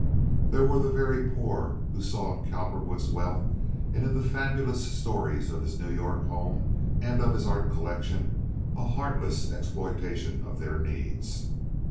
There were the very poor who saw in Cowperwood's wealth and in the fabulous stories of his New York home and of his art collection a heartless exploitation of their needs.